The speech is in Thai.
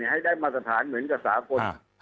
ให้ได้มาตรฐานเหมือนกับสากล